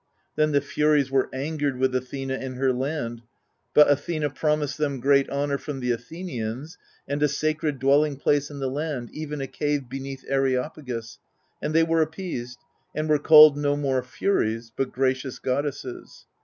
Then the Furies were angered with Athena and her land : but Athena promised them great honour from the Athenians, and a sacred dwelling place in the land, even a cave beneath Areopagus ; and they were appeased, and were called no more Furies, but Gracious Goddesses.